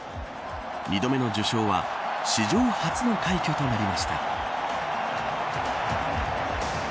２度目の受賞は史上初の快挙となりました。